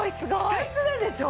２つででしょ！？